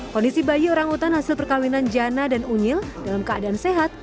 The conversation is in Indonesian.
kondisi bayi orangutan hasil perkawinan jana dan unyil dalam keadaan sehat